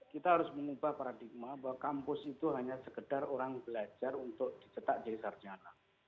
kita harus mengubah paradigma bahwa kampus itu hanya sekedar orang belajar untuk dicetak jadi sarjana